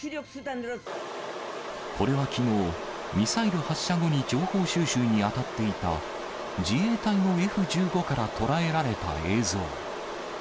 これはきのう、ミサイル発射後に情報収集に当たっていた、自衛隊のＦ１５から捉えられた映像。